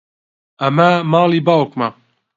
ئەمە ماڵی باوکمە.